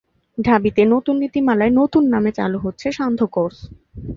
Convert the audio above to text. ঢাবিতে নতুন নীতিমালায় নতুন নামে চালু হচ্ছে ‘সান্ধ্য কোর্স’